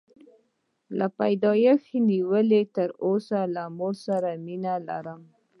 له پیدایښته نیولې تر اوسه له مور سره مینه لرم.